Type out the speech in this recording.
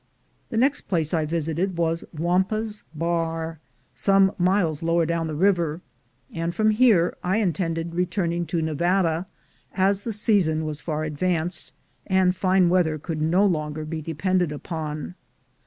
The next place I visited was Wamba's Bar, some miles lower down the river; and from here I intended returning to Nevada, as the season was far advanced, and fine weather could no longer be depended upon.